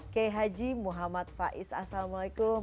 kehaji muhammad faiz assalamualaikum